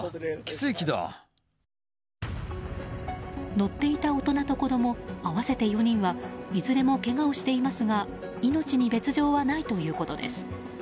乗っていた大人と子供合わせて４人はいずれもけがをしていますが命に別条はないということです。